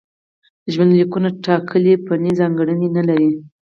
ژوندلیکونه ټاکلې فني ځانګړنې نه لري.